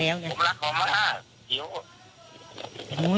แล้วก็เกลียดใจเดี๋ยว